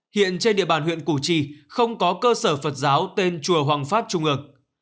hiện trên địa bàn huyện củ chi không có cơ sở phật giáo tên chùa hoàng pháp trung ước